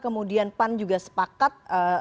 kemudian pan juga sepakat